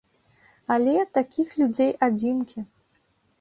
Але такіх людзей адзінкі.